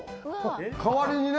代わりにね。